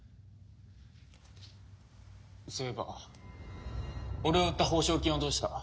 そういえば俺を売った報奨金はどうした？